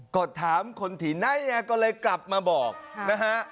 ก็ถามคนที่ไหนก็เลยกลับมาบอกนะฮะ